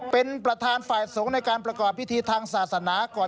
เป็นประธานฝ่ายสงฆ์ในการประกอบพิธีทางศาสนาก่อน